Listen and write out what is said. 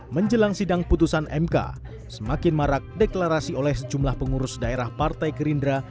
menjelang sidang putusan mk semakin marak deklarasi oleh sejumlah pengurus daerah partai gerindra